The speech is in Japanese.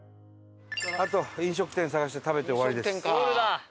あと飲食店探して食べて終わりです。